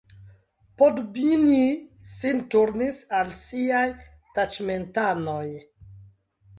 Poddubnij sin turnis al siaj taĉmentanoj.